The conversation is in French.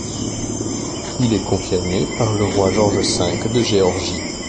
Il est confirmé par le roi Georges V de Géorgie.